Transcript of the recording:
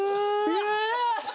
うわ！